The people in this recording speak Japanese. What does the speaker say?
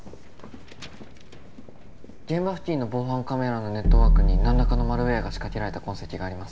現場付近の防犯カメラのネットワークに何らかのマルウエアが仕掛けられた痕跡があります